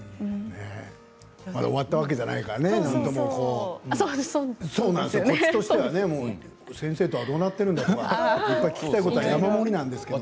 まだ終わったわけじゃないからね放送、こっちとしてはね先生とはどうなっているんだとか聞きたいことは山盛りなんですけどね。